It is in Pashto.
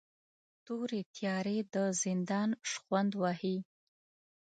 تورې تیارې د زندان شخوند وهي